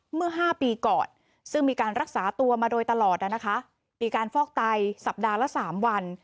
เมื่อ๕ปีก่อนซึ่งมีการรักษาตัวมาโดยตลอดนะคะมีการฟอกไตสัปดาห์ละ๓วัน